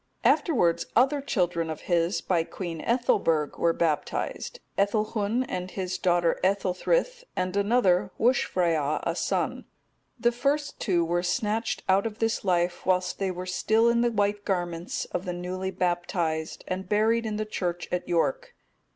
Afterwards other children of his, by Queen Ethelberg, were baptized, Ethelhun and his daughter Ethelthryth, and another, Wuscfrea, a son; the first two were snatched out of this life whilst they were still in the white garments of the newly baptized,(236) and buried in the church at York.